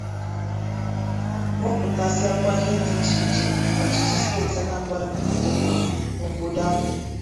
kpọpụtasịakwa ihe dị iche iche ọchịchị steeti Anambra mepụtgoro n'obodo ahụ